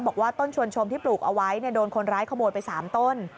บอกว่าต้นชวนชมที่ปลูกเอาไว้โดนคนร้ายขโมยไป๓ต้น